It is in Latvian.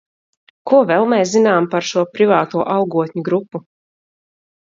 Ko vēl mēs zinām par šo privāto algotņu grupu?